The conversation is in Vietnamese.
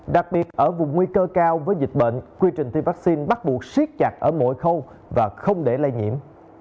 đặc biệt ở vùng nguy cơ cao với dịch bệnh quy trình tiêm vaccine bắt buộc siết chặt ở mọi khâu và không để lây nhiễm